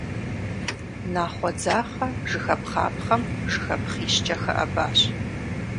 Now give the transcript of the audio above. Нахъуэ дзахъэ жыхапхъапхъэм жыхапхъищкӏэ хэӏэбащ.